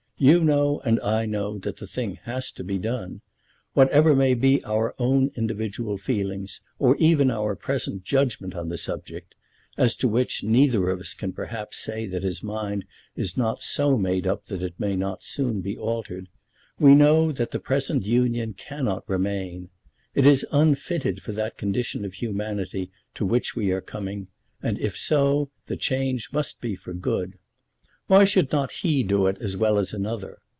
You know, and I know, that the thing has to be done. Whatever may be our own individual feelings, or even our present judgment on the subject, as to which neither of us can perhaps say that his mind is not so made up that it may not soon be altered, we know that the present union cannot remain. It is unfitted for that condition of humanity to which we are coming, and if so, the change must be for good. Why should not he do it as well as another?